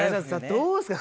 どうですか？